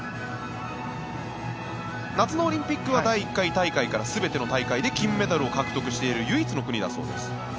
夏のオリンピックは第１回大会から全ての大会で金メダルを獲得している唯一の国だそうです。